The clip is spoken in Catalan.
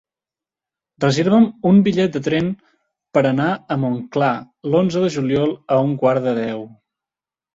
Reserva'm un bitllet de tren per anar a Montclar l'onze de juliol a un quart de deu.